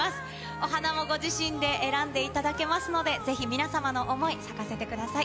お花もご自身で選んでいただけますので、ぜひ皆様の想い、咲かせてください。